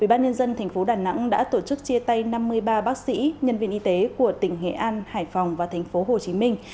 ubnd tp đà nẵng đã tổ chức chia tay năm mươi ba bác sĩ nhân viên y tế của tỉnh hệ an hải phòng và tp hồ chí minh